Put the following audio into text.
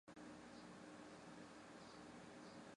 茶卡高原鳅为鳅科高原鳅属的鱼类。